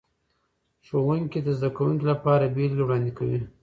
ښوونکي د زده کوونکو لپاره بیلګې وړاندې کوي.